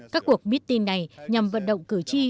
các cuộc meeting này nhằm vận động cử tri